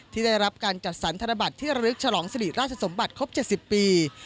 ที่ได้รับการจัดสรรธนบัตรที่ระลึกฉลองสริราชสมบัติครบ๗๐ปี